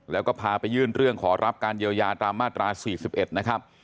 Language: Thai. แล้วก็พาไปยื่นเรื่องขอรับการเยียวยาตามมาตรา๔๑นะครับ